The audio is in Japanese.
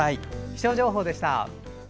気象情報でした。